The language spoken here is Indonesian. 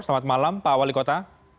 selamat malam pak wali kota